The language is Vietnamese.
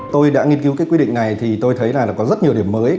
tôi đã nghiên cứu cái quy định này thì tôi thấy là có rất nhiều điểm mới